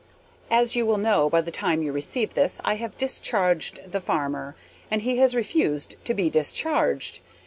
As you will know by the time you receive this, I have discharged the farmer, and he has refused to be discharged.